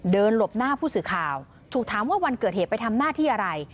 หลบหน้าผู้สื่อข่าวถูกถามว่าวันเกิดเหตุไปทำหน้าที่อะไร